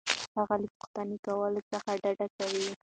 هغه له پوښتنې کولو څخه ډډه کوي.